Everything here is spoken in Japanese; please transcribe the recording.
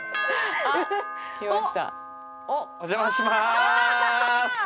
お邪魔しまーす！